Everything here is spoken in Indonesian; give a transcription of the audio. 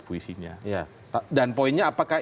puisinya dan poinnya apakah